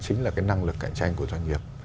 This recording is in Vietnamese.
chính là cái năng lực cạnh tranh của doanh nghiệp